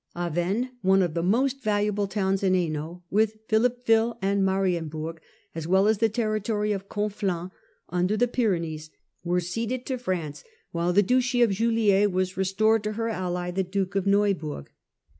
Avesnes, one of the most valuable towns in Hainault, with Pliilippeville and Marienburg, as well as the territory of Conflans under the Pyrenees, were ceded to France, while the Duchy of Juliers was restored to her ally the Duke of Neuburg.